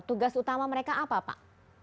tugas utama mereka apa pak